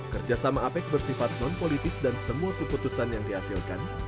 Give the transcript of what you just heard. kerjasama apec bersifat non politis dan semua keputusan yang dihasilkan